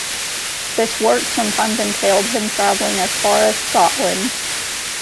This work sometimes entailed him travelling as far as Scotland.